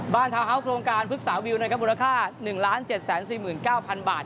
บ้านทาวน์ฮาว์โครงการฟึกสาววิวมูลค่า๑๗๔๙๐๐๐บาท